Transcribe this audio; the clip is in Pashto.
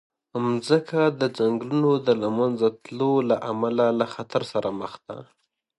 مځکه د ځنګلونو د له منځه تلو له امله له خطر سره مخ ده.